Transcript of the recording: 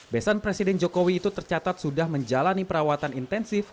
besan presiden jokowi itu tercatat sudah menjalani perawatan intensif